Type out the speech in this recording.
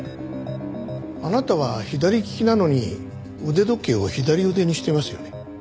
あなたは左利きなのに腕時計を左腕にしてますよね。